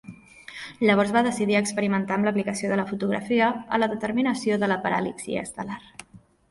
Llavors va decidir experimentar amb l'aplicació de la fotografia a la determinació de la paral·laxi estel·lar.